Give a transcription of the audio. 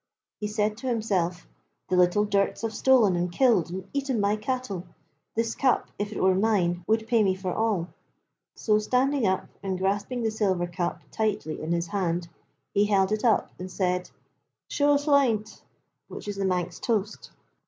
He said to himself: 'The little durts have stolen and killed and eaten my cattle this cup, if it were mine, would pay me for all.' So standing up and grasping the silver cup tightly in his hand, he held it up and said: 'Shoh Slaynt!' which is the Manx toast.